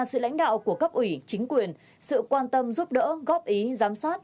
sự lãnh đạo của cấp ủy chính quyền sự quan tâm giúp đỡ góp ý giám sát